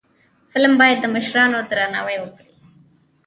فلم باید د مشرانو درناوی وکړي